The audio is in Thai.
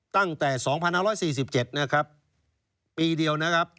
ตั้งแต่๒๖๔๗ปีเดียวนะครับ